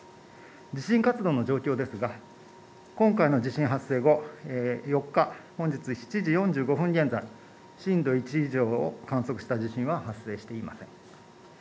地震活動の状況ですが、今回の地震発生後、４日、本日７時４５分現在、震度１以上を観測した地震は発生していません。